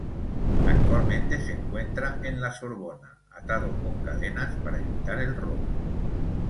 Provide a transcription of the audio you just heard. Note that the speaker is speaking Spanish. Actualmente se encuentra en la Sorbona, atado con cadenas para evitar el robo.